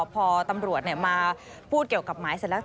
พอตำรวจมาพูดเกี่ยวกับหมายเสร็จแล้ว